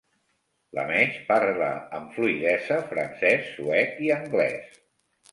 Lameche parla amb fluïdesa francès, suec i anglès.